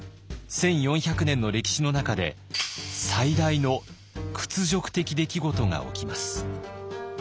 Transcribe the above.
１，４００年の歴史の中で最大の屈辱的出来事が起きます。